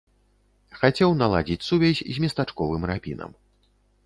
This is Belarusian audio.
Хацеў наладзіць сувязь з местачковым рабінам.